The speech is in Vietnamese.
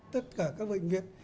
tất cả các bệnh viện